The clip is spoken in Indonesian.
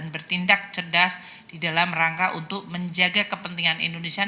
bertindak cerdas di dalam rangka untuk menjaga kepentingan indonesia